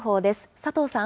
佐藤さん。